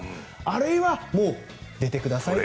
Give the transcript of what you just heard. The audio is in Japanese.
あるいは、もう出てください